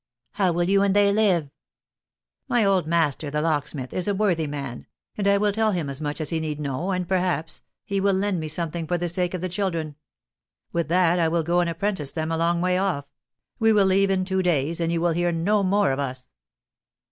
"How will you and they live?" "My old master, the locksmith, is a worthy man, and I will tell him as much as he need know, and, perhaps, he will lend me something for the sake of the children; with that I will go and apprentice them a long way off. We will leave in two days, and you will hear no more of us."